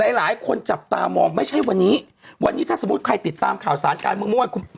หลายคนจับตามองไม่ใช่วันนี้วันนี้ถ้าสมมุติใครติดตามข่าวสารการเมืองเมื่อวานคุณ